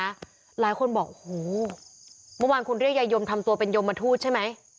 หลายคนบอกโอ้โหเมื่อวานคุณเรียกยายยมทำตัวเป็นยมทูตใช่ไหม